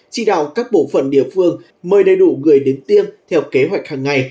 chỉ đạo các bộ phận địa phương mời đầy đủ người đến tiêm theo kế hoạch hàng ngày